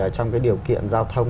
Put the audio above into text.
trong cái điều kiện giao thông